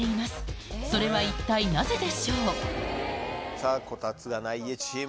さぁ「コタツがない家チーム」